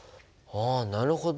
あなるほど。